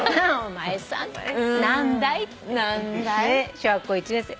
小学校１年生。